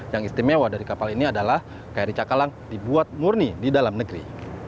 yang istimewa dari kapal ini adalah kri cakalang dibuat murni di dalam negeri